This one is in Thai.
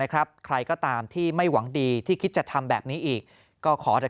ใครก็ตามที่ไม่หวังดีที่คิดจะทำแบบนี้อีกก็ขอแต่